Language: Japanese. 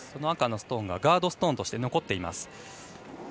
赤のストーンがガードストーンとして残ります。